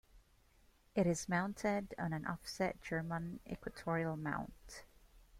It is mounted on an offset German equatorial mount.